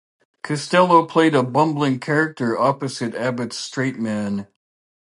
Costello played a bumbling character opposite Abbott's straight man.